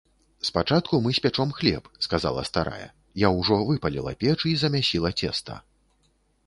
- Спачатку мы спячом хлеб, - сказала старая, - я ўжо выпаліла печ і замясіла цеста